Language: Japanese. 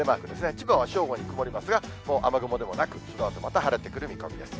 千葉は正午に曇りますが、もう雨雲ではなく、そのあとまた晴れてくる見込みです。